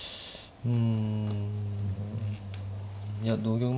うん。